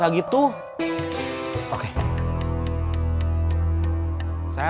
viktim tidak semakan gacanya ya